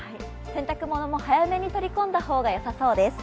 洗濯物も早めに取り込んだ方がよさそうです。